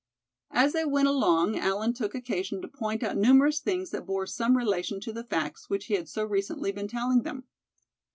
As they went along Allan took occasion to point out numerous things that bore some relation to the facts which he had so recently been telling them.